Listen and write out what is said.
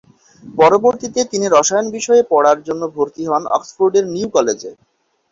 পরবর্তীতে তিমি রসায়ন বিষয়ে পড়ার জন্য ভর্তি হন অক্সফোর্ডের নিউ কলেজে।